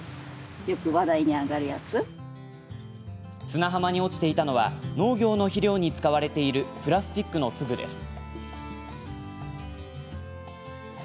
砂浜に落ちていたのは農業の肥料に使われているプラスチックの粒です。